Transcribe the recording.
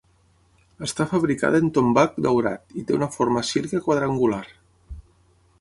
Està fabricada en tombac daurat i té una forma circa quadrangular.